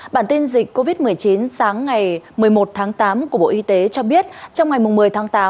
bản tin dịch covid một mươi chín sáng ngày một mươi một tháng tám của bộ y tế cho biết trong ngày một mươi tháng tám